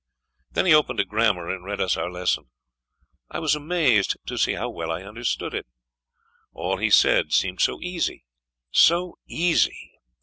Then he opened a grammar and read us our lesson. I was amazed to see how well I understood it. All he said seemed so easy, so easy!